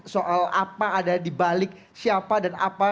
soal apa ada dibalik siapa dan apa